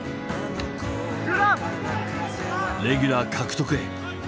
レギュラー獲得へ。